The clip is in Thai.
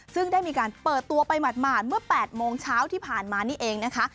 ซึ่งได้มีการเปิดตัวไปหมาดเมื่อ๘โมงเช้าที่ผ่านมานี่เองนะคะ